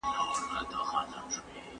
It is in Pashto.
د علمي څیړنو ملاتړ حکومتي دنده ده.